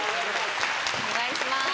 お願いします